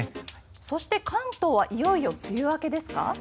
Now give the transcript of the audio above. そして関東はいよいよ梅雨明けですか？